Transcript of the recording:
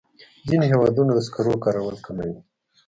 ځینې هېوادونه د سکرو کارول کموي.